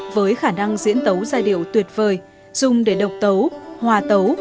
với khả năng diễn tấu giai điệu tuyệt vời dùng để độc tấu hòa tấu